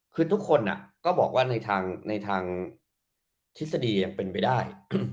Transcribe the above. คือทุกคนก็บอกว่าในทางทฤษฎียังเป็นไปได้